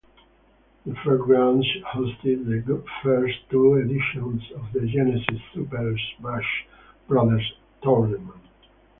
The fairgrounds hosted the first two editions of the Genesis "Super Smash Brothers" tournament.